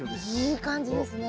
いい感じですね。